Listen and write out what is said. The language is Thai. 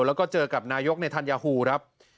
แล้วก็เจอกับนายกษมนตร์เนธันยาฮูครับ